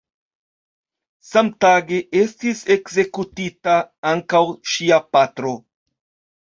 Samtage estis ekzekutita ankaŭ ŝia patro.